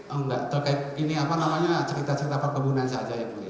enggak terkait ini apa namanya cerita cerita perkebunan saja yang mulia